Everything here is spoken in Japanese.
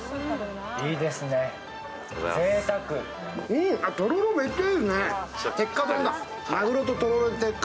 いいですね、ぜいたく。